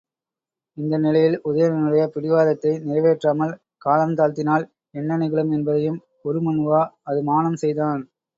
இந்த நிலையில் உதயணனுடைய பிடிவாதத்தை நிறைவேற்றாமல் காலந்தாழ்த்தினால் என்ன நிகழும் என்பதையும் உரு மண்ணுவா அதுமானம் செய்தான்.